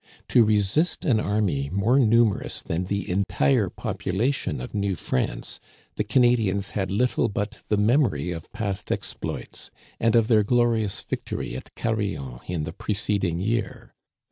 To resist an army more numerous than the entire population of New France the Canadians had little but the memory of past exploits, and of their glorious victory at Carillon in the preceding year.